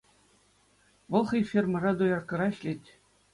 Вӑл хӑй фермӑра дояркӑра ӗҫлет.